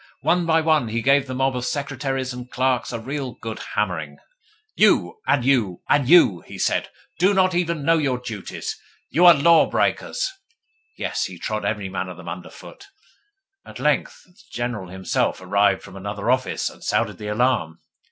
One by one, he gave the mob of secretaries and clerks a real good hammering. 'You, and you, and you,' he said, 'do not even know your duties. You are law breakers.' Yes, he trod every man of them under foot. At length the General himself arrived from another office, and sounded the alarm.